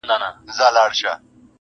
په وښو او په اوربشو یې زړه سوړ وو.!